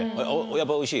やっぱおいしい？